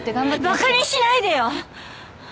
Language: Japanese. ばかにしないでよ！